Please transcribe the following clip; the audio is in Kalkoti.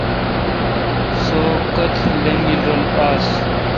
سوُ کتھ لنگیل رل آس